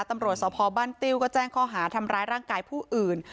ตำรวจสพบ้านติ้วก็แจ้งข้อหาทำร้ายร่างกายผู้อื่น